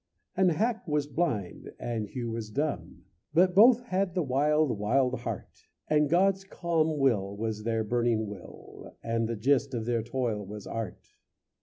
And Hack was blind and Hew was dumb, But both had the wild, wild heart; And God's calm will was their burning will, And the gist of their toil was art.